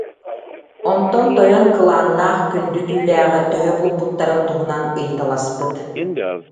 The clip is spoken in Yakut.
Онтон тойон кылааннаах күндү түүлээҕи төһө булбуттарын туһунан ыйыталаспыт